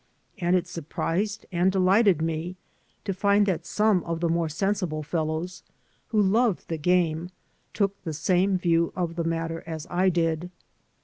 And it surprised and delighted me to find that some of the more sensible fellows, who loved the game, took the same view of the matter as I did.